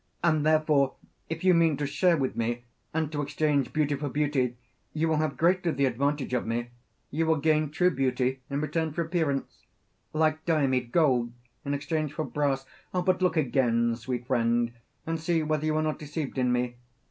And therefore, if you mean to share with me and to exchange beauty for beauty, you will have greatly the advantage of me; you will gain true beauty in return for appearance like Diomede, gold in exchange for brass. But look again, sweet friend, and see whether you are not deceived in me.